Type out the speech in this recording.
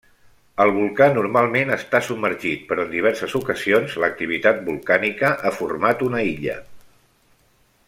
El volcà normalment està submergit però en diverses ocasions l'activitat volcànica ha format una illa.